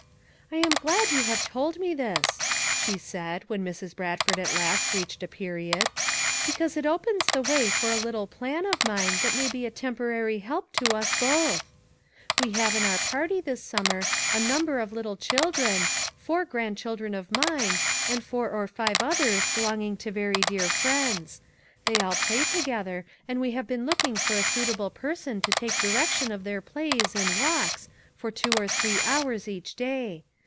"I am glad you have told me this," slie said, when Mrs. Bradford at last reached a period, "because it opens the way for a little plan of mine that may be a temporary help to us both. We have in oun party this summer a number of little children, four grandchildren of mine, and four or five others belonging to very dear friends; they all pla^ together, and we have been looking for a suitable person to take direc FOUR MOTHERS AT CHAUTAUQUA 261 tion of their plays, and walks, for two or three hours each day.